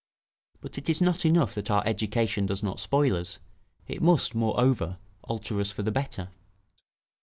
But it is not enough that our education does not spoil us; it must, moreover, alter us for the better.